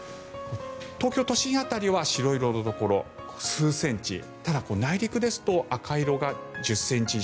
東京都心辺りは白色のところ数センチただ、内陸ですと赤色が１０ｃｍ以上。